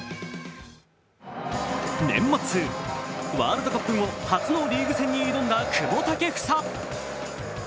年末、ワールドカップ後初のリーグ戦に挑んだ久保建英。